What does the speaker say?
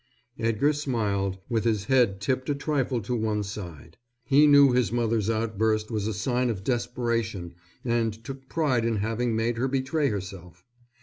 Edgar smiled, with his head tipped a trifle to one side. He knew his mother's outburst was a sign of desperation and took pride in having made her betray herself.